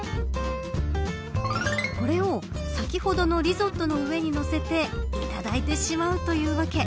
これを先ほどのリゾットの上に乗せていただいてしまうというわけ。